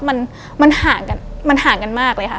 มันห่างกันมากเลยคะ